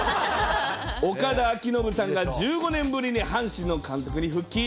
岡田あきのぶさんが１５年ぶりに阪神の監督に復帰。